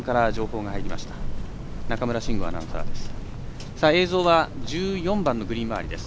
中村慎吾アナウンサーです。